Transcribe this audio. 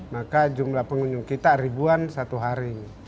maka jumlah pengunjung kita ribuan satu hari